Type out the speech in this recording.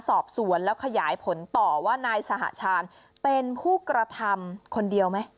สอบสวนแล้วขยายผลต่อว่านายสหชาญเป็นผู้กระทำคนเดียวไหม